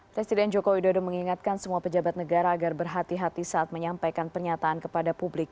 presiden jokowi dodo mengingatkan semua pejabat negara agar berhati hati saat menyampaikan pernyataan kepada publik